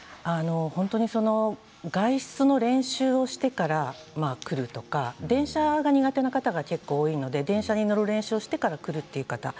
本当に外出の練習をしてから来るとか電車が苦手な方が結構多いので電車に乗る練習をしてから来るという方